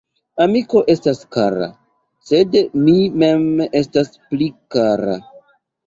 Amiko estas kara, sed mi mem estas pli kara.